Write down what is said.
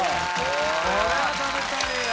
これは食べたいよ！